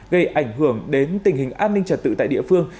gây ảnh hưởng đến tình hình an ninh trật tự tại địa phương